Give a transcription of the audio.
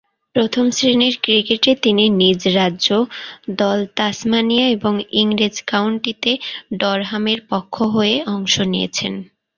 প্রথম-শ্রেণীর ক্রিকেটে তিনি নিজ রাজ্য দল তাসমানিয়া এবং ইংরেজ কাউন্টিতে ডারহামের পক্ষ হয়ে অংশ নিয়েছেন।